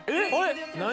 「何？